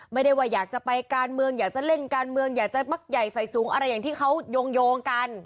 ไม่ได้ว่าอยากจะไปการเมืองอยากจะเล่นการเมืองอยากจะมักใหญ่ฝ่ายสูงอะไรอย่างที่เขาโยงกัน